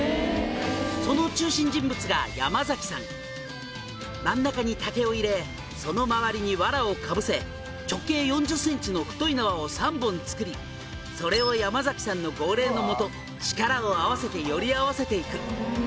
「その中心人物が」「真ん中に竹を入れその周りにワラをかぶせ直径４０ｃｍの太い縄を３本作りそれを山さんの号令の下力を合わせてより合わせていく」